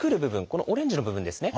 このオレンジの部分ですね。